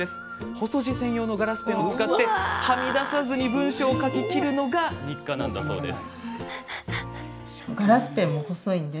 細字専用のガラスペンを使いはみ出さずに文章を書ききるのが日課なんだそうです。